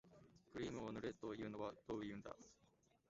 クリームを塗れというのはどういうんだ